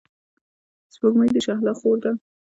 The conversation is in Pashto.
سپوږمۍ د شهلا خور ده.